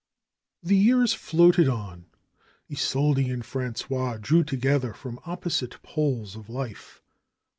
The years floated on. Isolde and Frangois drew to gether from opposite poles of life.